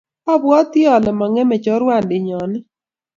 Abwoti ale mang'eme chorwandinyo ni